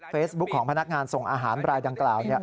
ของพนักงานส่งอาหารรายดังกล่าว